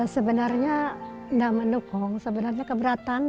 sebenarnya tidak mendukung sebenarnya keberatan